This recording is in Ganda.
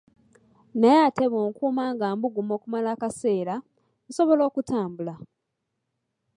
Naye ate bw’onkuuma nga mbuguma okumala akasera, nsobola okutambula.